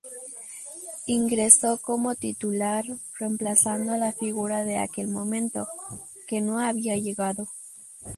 Ingresó como titular, reemplazando a la figura de aquel momento, que no había llegado.